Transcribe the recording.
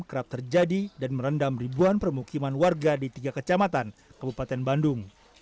kerap terjadi dan merendam ribuan permukiman warga di tiga kecamatan kabupaten bandung